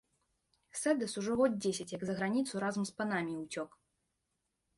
Сэдас ужо год дзесяць, як за граніцу разам з панамі ўцёк.